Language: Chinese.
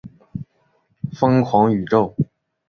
疯狂宇宙